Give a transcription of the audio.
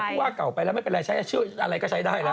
ผู้ว่าเก่าไปแล้วไม่เป็นไรใช้ชื่ออะไรก็ใช้ได้แล้ว